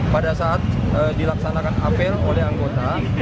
pada saat dilaksanakan apel oleh anggota